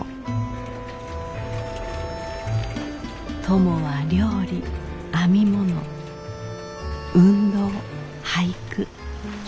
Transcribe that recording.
トモは料理編み物運動俳句人づきあい